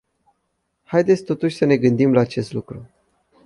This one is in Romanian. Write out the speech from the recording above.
Haideți totuși să ne gândim la acest lucru.